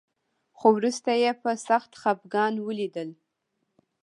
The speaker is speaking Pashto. خو وروسته يې په سخت خپګان وليدل.